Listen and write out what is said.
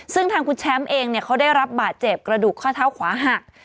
ซึ่งทางคุณแชมป์เองเขาได้รับบาดเจ็บกระดูกข้อเท้าขวาหัก